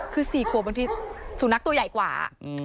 คือ๔ขวบบางทีสุนัขตัวใหญ่กว่า